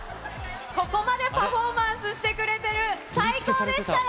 ここまでパフォーマンスしてくれてる、最高でしたよ。